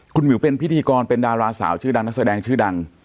คุณหมิวเป็นพิธีกรเป็นดาราสาวชื่อดังนักแสดงชื่อดัง